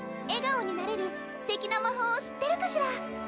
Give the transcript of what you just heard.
えがおになれるすてきな魔法を知ってるかしら？